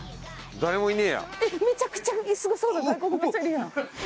誰もいねえや。